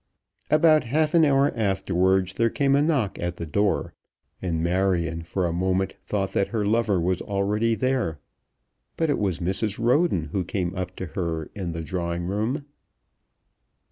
About half an hour afterwards there came a knock at the door, and Marion for a moment thought that her lover was already there. But it was Mrs. Roden who came up to her in the drawing room.